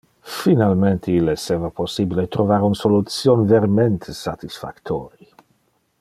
Finalmente il esseva possibile trovar un solution vermente satisfactori.